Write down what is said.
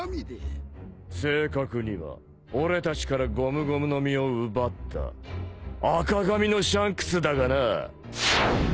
正確には俺たちからゴムゴムの実を奪った赤髪のシャンクスだがな。